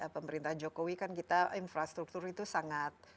pemerintah jokowi kan kita infrastruktur itu sangat